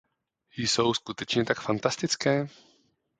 Jsou skutečně tak fantastické?